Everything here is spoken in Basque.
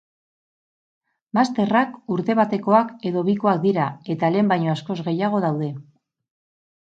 Masterrak urte batekoak edo bikoak dira eta lehen baino askoz gehiago daude.